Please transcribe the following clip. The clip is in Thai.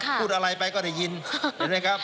พูดอะไรไปก็ได้ยินเห็นไหมครับ